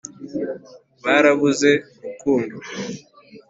barabuze urukundo